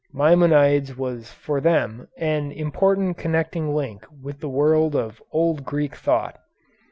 Maimonides was for them an important connecting link with the world of old Greek thought.